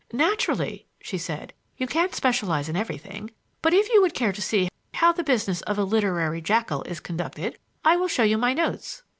"Naturally," she said. "You can't specialize in everything. But if you would care to see how the business of a literary jackal is conducted, I will show you my notes."